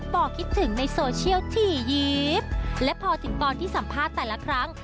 บอกคิดถึงในโซเชียลถี่ยิบและพอถึงตอนที่สัมภาษณ์แต่ละครั้ง